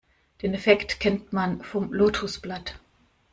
Den Effekt kennt man vom Lotosblatt.